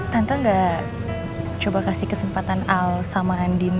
tante nggak coba kasih kesempatan al sama andien